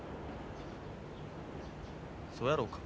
そうやろか。